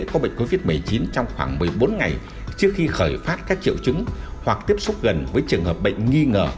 có bệnh covid một mươi chín trong khoảng một mươi bốn ngày trước khi khởi phát các triệu chứng hoặc tiếp xúc gần với trường hợp bệnh nghi ngờ